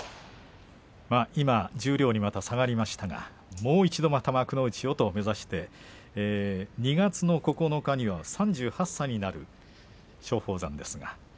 今は十両に下がりましたがもう一度幕内をと目指して２月９日には３８歳になる松鳳山です。